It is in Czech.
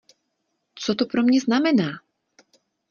Co to pro mě znamená?